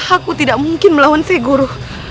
aku tidak mungkin melawan seguru